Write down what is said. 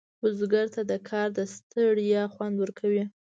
بزګر ته د کار د ستړیا خوند ورکړي